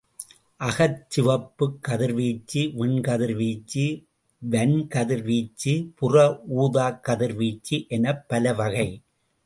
அகச் சிவப்புக் கதிர்வீச்சு, விண்கதிர் வீச்சு, வன் கதிர் வீச்சு, புற ஊதாக் கதிர்வீச்சு எனப் பலவகை.